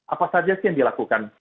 apa saja sih yang dilakukan